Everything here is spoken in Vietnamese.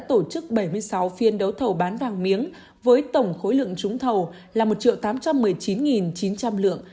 tổ chức bảy mươi sáu phiên đấu thầu bán vàng miếng với tổng khối lượng trúng thầu là một tám trăm một mươi chín chín trăm linh lượng